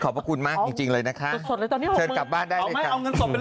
ครับว่าท้องแฟนนี้เจ้าเอาให้จับ